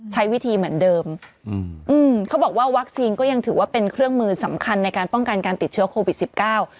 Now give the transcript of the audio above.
ใช้วิธีเหมือนเดิมอืมอืมเขาบอกว่าวัคซีนก็ยังถือว่าเป็นเครื่องมือสำคัญในการป้องกันการติดเชื้อโควิดสิบเก้า